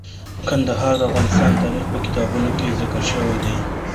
کندهار د افغان تاریخ په کتابونو کې ذکر شوی دی.